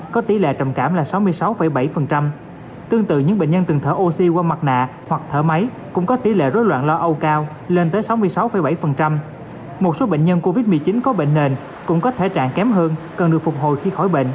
còn những bệnh nhân mà hoảng loạn hoặc là quá sợ hãi